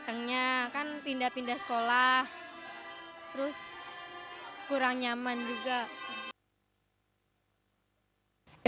datangnya kan pindah pindah sekolah terus kurang nyaman juga